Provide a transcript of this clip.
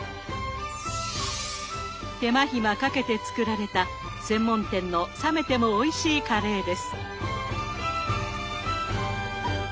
手間暇かけて作られた専門店の冷めてもおいしいカレーです。